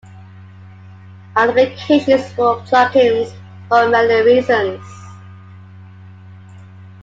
Applications support plug-ins for many reasons.